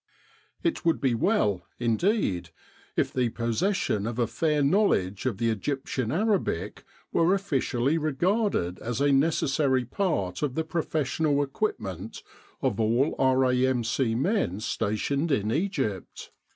It would be well, indeed, if the possession of a fair knowledge of Egyptian Arabic were officially re garded as a necessary part of the professional equip ment of all R.A.M.C. men stationed in Egypt.